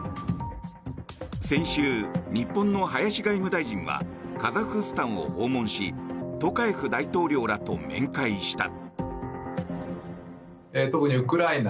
先週、日本の林外務大臣はカザフスタンを訪問しトカエフ大統領らと面会した。